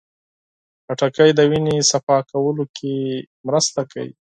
خټکی د وینې پاکوالي کې مرسته کوي.